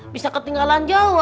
bisa ketinggalan jauh